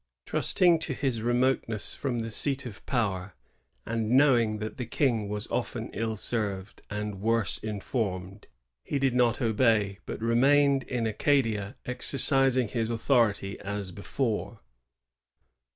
Trusting to his remoteness from the seat of power, and knowing that the King was often iU served and worse informed, he did not obey, but remained in Acadia exercising his authority as before.